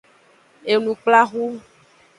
Enukplaxu.